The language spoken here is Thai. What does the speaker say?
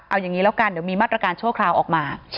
เอาอย่างนี้แล้วกันเดี๋ยวมีมาตรการชั่วคราวออกมา